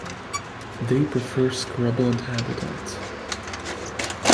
They prefer scrubland habitats.